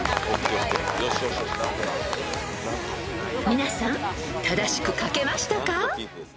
［皆さん正しく書けましたか？］